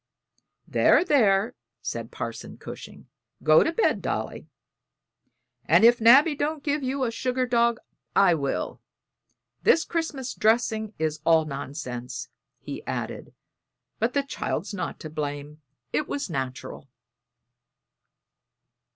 "There, there," said Parson Cushing, "go to bed, Dolly; and if Nabby don't give you a sugar dog, I will. This Christmas dressing is all nonsense," he added, "but the child's not to blame it was natural."